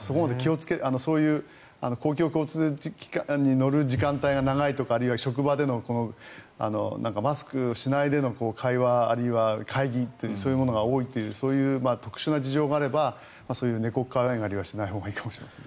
そういう公共交通機関に乗る時間帯が長いとか職場でのマスクしないでの会話、あるいは会議というのが多いとかそういう特殊な事情があれば猫可愛がりはしないほうがいいかもしれません。